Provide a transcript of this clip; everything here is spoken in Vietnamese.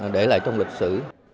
để lại trong lịch sử